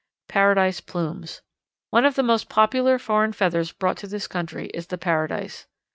Paradise Plumes One of the most popular foreign feathers brought to this country is the Paradise.